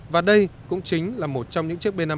và đây cũng chính là một trong những chiếc b năm mươi hai